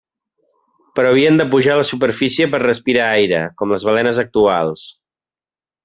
Però havien de pujar a la superfície per respirar aire, com les balenes actuals.